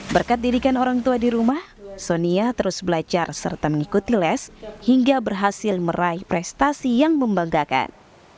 berkat dirikan orang tua di rumah sonia terus belajar serta mengikuti les hingga berhasil meraih prestasi yang membanggakan